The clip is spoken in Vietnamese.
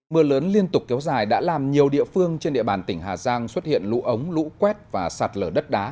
mưa lớn liên tục kéo dài đã làm nhiều địa phương trên địa bàn tỉnh hà giang xuất hiện lũ ống lũ quét và sạt lở đất đá